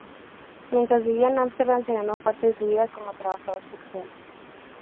Mientras vivía en Ámsterdam se ganó parte de su vida como trabajador sexual.